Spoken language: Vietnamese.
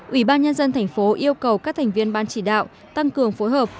ủy ban nhân dân thành phố yêu cầu các thành viên ban chỉ đạo tăng cường phối hợp